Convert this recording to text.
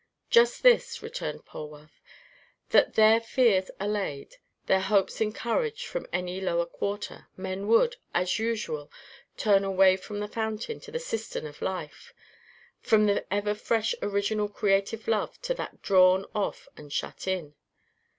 "Just this," returned Polwarth, "that, their fears allayed, their hopes encouraged from any lower quarter, men would, as usual, turn away from the fountain to the cistern of life, from the ever fresh original creative Love to that drawn off and shut in.